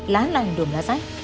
lá lành đùm lá sách